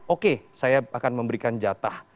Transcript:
oke saya akan memberikan jatah